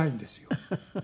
フフフフ。